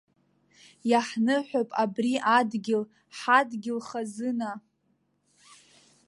Иаҳныҳәап абри адгьыл, ҳадгьыл хазына!